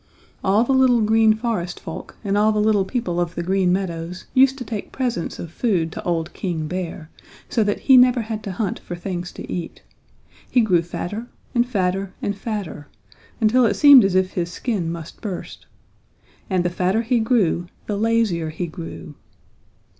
"All the little Green Forest folk and all the little people of the Green Meadows used to take presents of food to old King Bear, so that he never had to hunt for things to eat. He grew fatter and fatter and fatter until it seemed as if his skin must burst. And the fatter he grew the lazier he grew."